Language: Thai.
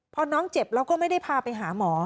พอน้องเจ็บแล้วก็ไม่ได้พาไปหาหมอ